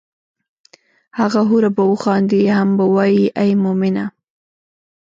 هغه حوره به وخاندي هم به وائي ای مومنه!